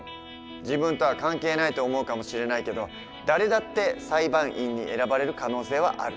自分とは関係ないと思うかもしれないけど誰だって裁判員に選ばれる可能性はある。